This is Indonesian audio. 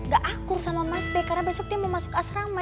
gak akur sama mas b karena besok dia mau masuk asrama